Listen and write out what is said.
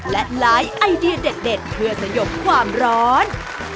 และไลฟ์ไอเดียเด็ดเพื่อสยบความร้อน